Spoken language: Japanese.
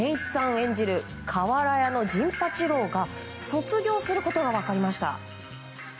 演じる瓦屋の陣八郎が卒業することが分かりました。